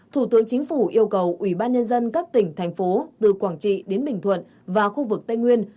thủ tướng chính phủ yêu cầu ủy ban nhân dân các tỉnh thành phố từ quảng trị đến bình thuận và khu vực tây nguyên